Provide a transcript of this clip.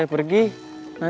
nggak mungkin pun